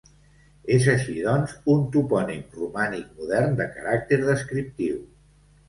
És així, doncs, un topònim romànic modern de caràcter descriptiu.